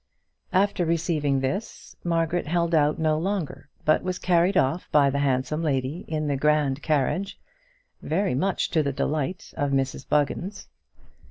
After receiving this Margaret held out no longer but was carried off by the handsome lady in the grand carriage, very much to the delight of Mrs Buggins.